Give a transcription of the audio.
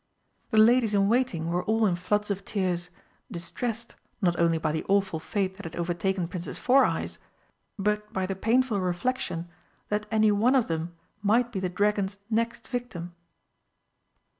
The ladies in waiting were all in floods of tears, distressed, not only by the awful fate that had overtaken "Princess Four eyes," but by the painful reflection that any one of them might be the dragon's next victim.